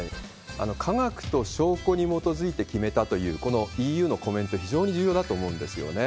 科学と証拠に基づいて決めたという、このＥＵのコメント、非常に重要だと思うんですよね。